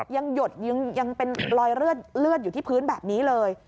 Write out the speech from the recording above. หยดยังเป็นรอยเลือดอยู่ที่พื้นแบบนี้เลย